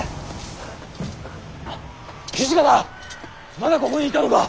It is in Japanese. まだここにいたのか！